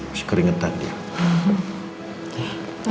masih keringetan dia